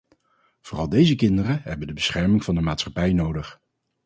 Vooral deze kinderen hebben de bescherming van de maatschappij nodig.